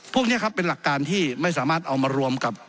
พวกนี้ครับเป็นหลักการที่ไม่สามารถเอามารวมกับ